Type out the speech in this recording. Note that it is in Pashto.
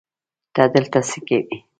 ته دلته څه کوې؟